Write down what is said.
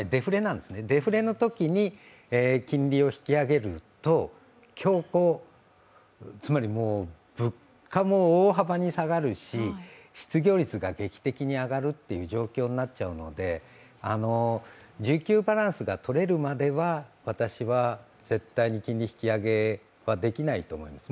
デフレのときに金利を引き上げると恐慌、つまり物価も大幅に上がるし失業率が劇的に増えるので、需給バランスがとれるまでは私は絶対に金利引き上げはできないと思います。